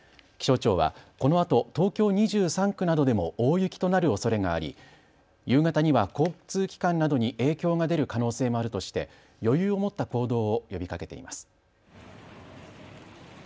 気象庁は、このあと東京２３区などでも大雪となるおそれがあり夕方には交通機関などに影響が出る可能性もあるとして余裕を持った行動を呼びかけています。